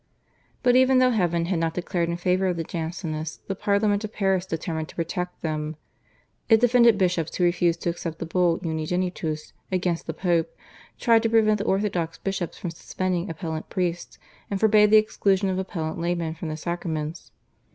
But even though heaven had not declared in favour of the Jansenists the Parliament of Paris determined to protect them. It defended bishops who refused to accept the Bull /Unigenitus/ against the Pope, tried to prevent the orthodox bishops from suspending appellant priests, and forbade the exclusion of appellant laymen from the sacraments.